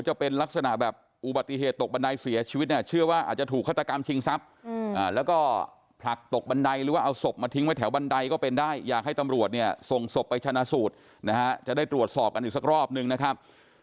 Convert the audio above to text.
จะเป็นลักษณะแบบอุบัติเหตุตกบันไดเสียชีวิตเนี่ยเชื่อว่าอาจจะถูกฆาตกรรมชิงทรัพย์แล้วก็ผลักตกบันไดหรือว่าเอาศพมาทิ้งไว้แถวบันไดก็เป็นได้อยากให้ตำรวจเนี่ยส่งศพไปชนะสูตรนะฮะจะได้ตรวจสอบกันอีกสักรอบนึงนะครับ